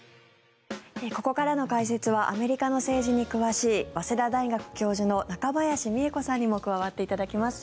ここからの解説はアメリカの政治に詳しい早稲田大学教授の中林美恵子さんにも加わっていただきます。